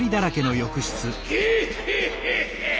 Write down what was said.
ゲヘヘヘヘ！